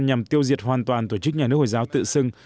nhằm tiêu diệt hoàn toàn tổ chức nhà nước hồi giáo tự xưng